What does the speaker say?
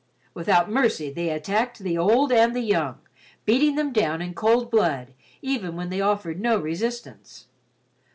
Without mercy they attacked the old and the young, beating them down in cold blood even when they offered no resistance.